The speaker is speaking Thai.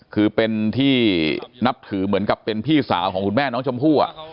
คือเป็นที่นับถือเหมือนกับเป็นพี่สาวของคุณแม่น้องชมพู่